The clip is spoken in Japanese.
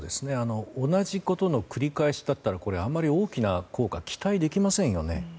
同じことの繰り返しだったらあまり大きな効果は期待できませんよね。